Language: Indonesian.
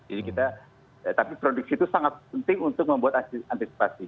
kita tapi produksi itu sangat penting untuk membuat antisipasi